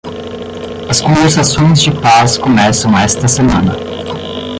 As conversações de paz começam esta semana.